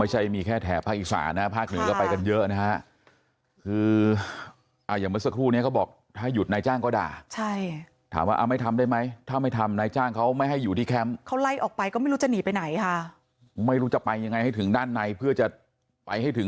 ให้การช่วยเหลือน